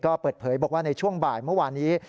ก็เปิดเผยบอกว่าในช่วงบ่ายเมื่อวานนี้